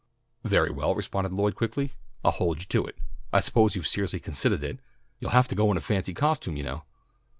"Very well," responded Lloyd quickly, "I'll hold you to it. I suppose you've seriously considahed it. You'll have to go in fancy costume, you know."